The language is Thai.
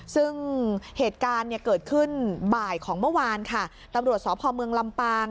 ซึ่งเหตุการณ์เนี่ยเกิดขึ้นบ่ายของเมื่อวานค่ะตำรวจสพเมืองลำปาง